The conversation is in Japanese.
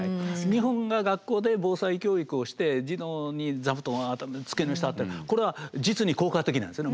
日本が学校で防災教育をして児童に座布団を頭に机の下ってこれは実に効果的なんですよね。